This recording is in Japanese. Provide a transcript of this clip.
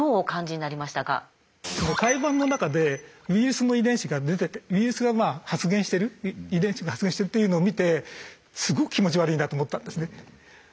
胎盤の中でウイルスの遺伝子が出ててウイルスがまあ発現してる遺伝子が発現してるというのを見てすごく気持ち悪いなと思ったんですね。